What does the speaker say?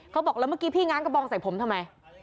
เขาบอกแล้วเมื่อกี้พี่ง้างกระบองใส่ผมทำไม